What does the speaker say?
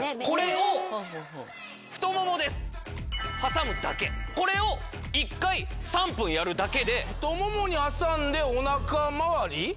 これを太ももです挟むだけこれを１回３分やるだけで太ももに挟んでおなかまわり？